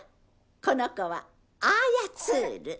この子はアーヤ・ツール。